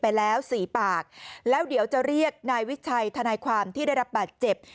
ไปแล้วสี่ปากแล้วเดี๋ยวจะเรียกนายวิชัยทนายความที่ได้รับบาดเจ็บ